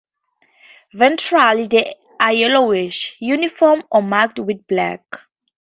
Ventrally they are yellowish, uniform or marked with black.